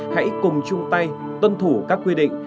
hãy cùng chung tay tuân thủ các quy định